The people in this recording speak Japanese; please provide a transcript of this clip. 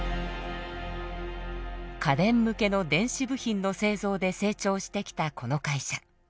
家電向けの電子部品の製造で成長してきたこの会社。